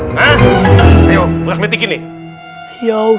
mau bangun sendiri apa mau dikelitikin kakinya kayak dot dot